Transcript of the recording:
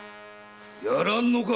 やらぬのか